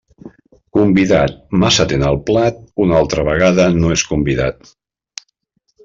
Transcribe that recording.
Convidat massa atent al plat, una altra vegada no és convidat.